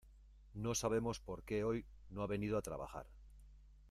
No sabemos por qué hoy no ha venido a trabajar.